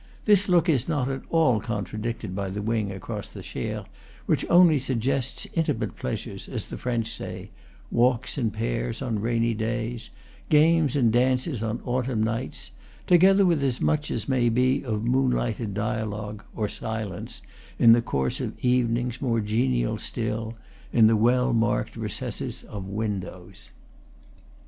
This look is not at all contradicted by the wing across the Cher, which only suggests intimate pleasures, as the French say, walks in pairs, on rainy days; games and dances on autumn nights; together with as much as may be of moonlighted dialogue (or silence) in the course, of evenings more genial still, in the well marked recesses of windows.